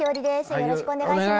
よろしくお願いします。